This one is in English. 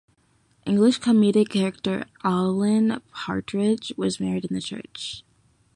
English comedic character Alan Partridge was married in the church.